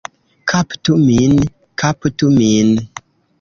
Kaptu min, kaptu min!